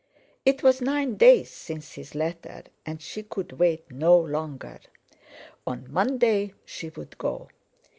It was nine days since his letter, and she could wait no longer. On Monday she would go!